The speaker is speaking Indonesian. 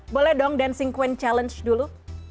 boleh dong dancing queen challenge dulu